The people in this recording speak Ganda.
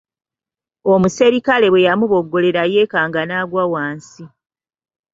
Omuserikale bwe yamuboggolera yeekanga n'agwa wansi.